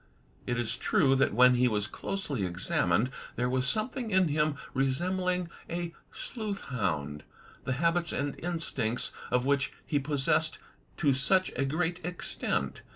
It is true that when he was closely examined there was something in him resembling a sleuth hotmd, the habits and instincts of which he possessed to such a great extent.